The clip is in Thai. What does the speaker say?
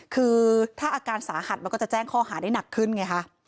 คือถ้าอาการสาหัสมันก็จะแจ้งข้อหาได้หนักขึ้นไงคะ